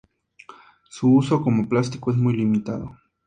Su uso como plástico es muy limitado.